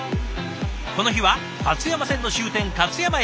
この日は勝山線の終点勝山駅で。